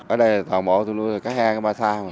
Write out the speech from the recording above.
ở đây toàn bộ tôi nuôi cá he cá ba sa